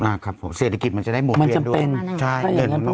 อ่าครับผมเศรษฐกิจมันจะได้หมดเพลียดด้วยมันจำเป็นใช่